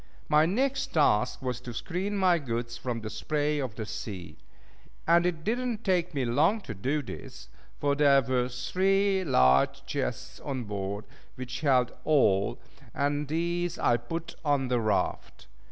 My next task was to screen my goods from the spray of the sea; and it did not take me long to do this, for there were three large chests on board which held all, and these I put on the raft.